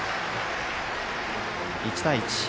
１対１。